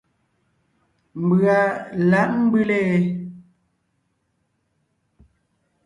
Mbʉ̀a lǎʼ mbʉ́le ?